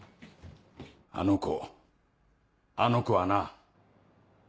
あの子あの子はな。